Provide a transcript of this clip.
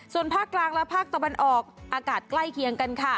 ส่วนภาคกลางและภาคตะวันออกอากาศใกล้เคียงกันค่ะ